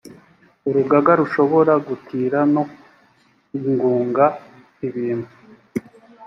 urugaga rushobora gutira no gunga ibintu